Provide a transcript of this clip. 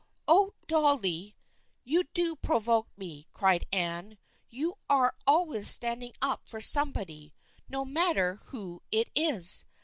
" Oh, Dolly, you do provoke me !" cried Anne. "You are always standing up for somebody, no matter who it is.